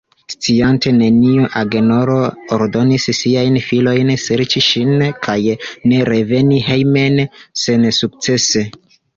Sciante nenion, Agenoro ordonis siajn filojn serĉi ŝin, kaj ne reveni hejmen sensukcese.